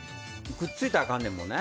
くっついたらあかんねんもんね。